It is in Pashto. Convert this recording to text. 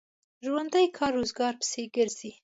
ژوندي کار روزګار پسې ګرځي